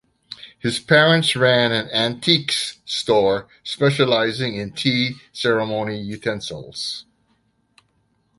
His parents ran an antiques store specializing in tea ceremony utensils.